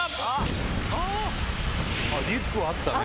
リュックはあったね。